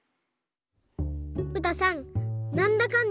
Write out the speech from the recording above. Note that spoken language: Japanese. うたさんなんだかん